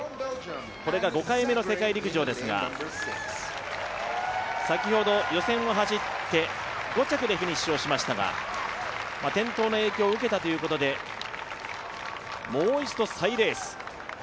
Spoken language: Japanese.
これが５回目の世界陸上ですが、先ほど予選を走って５着でフィニッシュをしましたが、転倒の影響を受けたということで、もう一度再レース。